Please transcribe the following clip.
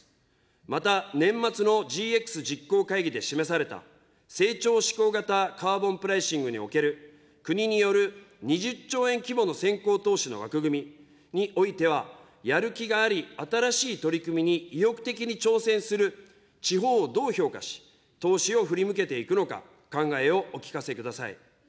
また年末のＧＸ実行会議で示された、成長志向型カーボンプライシングにおける国による２０兆円規模の先行投資の枠組みにおいては、やる気があり新しい取り組みに意欲的に挑戦する地方をどう評価し、投資を振り向けていくのか、考えをお聞かせください。